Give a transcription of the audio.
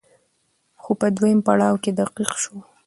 خو په دويم پړاو کې دقيق شو